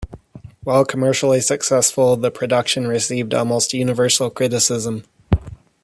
While commercially successful, the production received almost universal criticism.